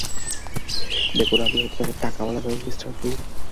দেখুন, আমি হয়ত তেমন টাকাওয়ালা নই, মিঃ ব্লুম।